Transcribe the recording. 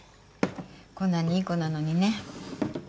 こんなにいい子なのにね。